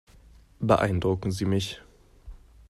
Beeindrucken Sie mich.